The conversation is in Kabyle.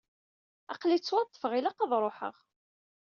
Aql-i ttwaṭṭfeɣ, ilaq ad ruḥeɣ.